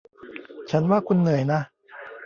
ฉันว่าคุณเหนื่อยนะ